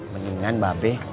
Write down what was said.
mendingan mbak be